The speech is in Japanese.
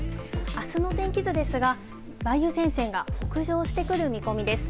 あすの天気図ですが、梅雨前線が北上してくる見込みです。